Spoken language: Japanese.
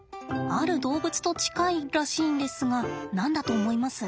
ある動物と近いらしいんですが何だと思います？